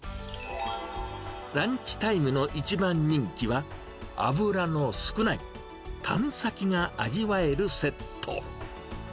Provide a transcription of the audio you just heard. ランチタイムの一番人気は、脂の少ない、タン先が味わえるセット。